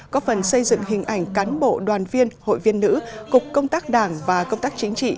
có phần xây dựng hình ảnh cán bộ đoàn viên hội viên nữ cục công tác đảng và công tác chính trị